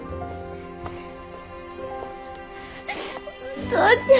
お父ちゃん